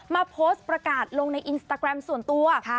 มาโพสต์ประกาศลงในอินสตาแกรมส่วนตัว